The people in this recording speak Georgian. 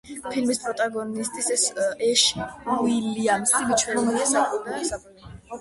ფილმის პროტაგონისტი ეშ უილიამსი მიჩნეულია საკულტო პერსონაჟად.